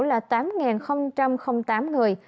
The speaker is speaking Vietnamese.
là tám tám người